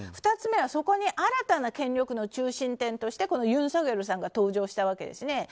２つ目はそこに新たな権力の中心点としてこのユン・ソギョルさんが登場したわけですね。